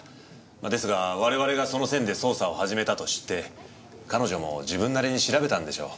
ですが我々がその線で捜査を始めたと知って彼女も自分なりに調べたんでしょう。